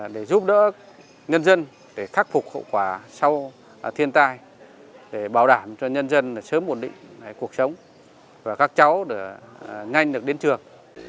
để giúp đỡ nhân dân để khắc phục hậu quả sau thiên tai để bảo đảm cho nhân dân sớm ổn định cuộc sống và các cháu nhanh được đến trường